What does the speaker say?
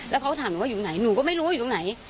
แล้วเขาก็ถามหนูว่าอยู่ไหนหนูก็ไม่รู้ว่าอยู่ตรงไหน